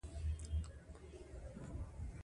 د ملګرو سیالۍ د زده کړې سرعت زیاتوي.